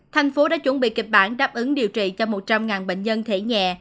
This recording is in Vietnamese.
thành phố đã chuẩn bị kịch bản đáp ứng điều trị cho một trăm linh bệnh nhân thể nhẹ